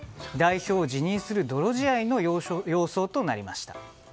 代表を辞任する泥仕合の様相となりました。